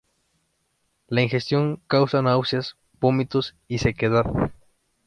La ingestión causa náuseas, vómitos y sequedad.